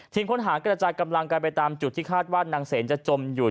ค้นหากระจายกำลังกันไปตามจุดที่คาดว่านางเสนจะจมอยู่